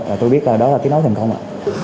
và tôi biết là đó là kết nối thành công ạ